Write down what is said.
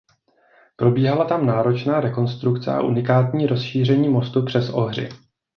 Probíhala tam náročná rekonstrukce a unikátní rozšíření mostu přes Ohři.